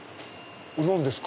何ですか？